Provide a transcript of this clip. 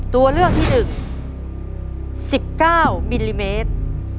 ตัวเลือกที่๑๑๙มิลลิเมตร